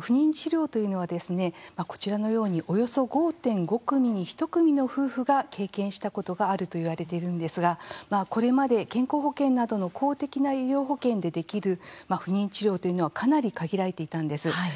不妊治療というのはですねこちらのようにおよそ５．５組に１組の夫婦が経験したことがあるといわれているんですがこれまで健康保険などの公的な医療保険でできる不妊治療というのはかなり限られていたんです。